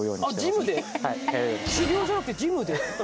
修行じゃなくてジムで？